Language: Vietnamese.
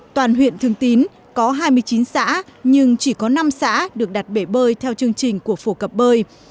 toàn huyện thường tín có hai mươi chín xã nhưng chỉ có năm xã được đặt bể bơi theo chương trình của phổ cập bơi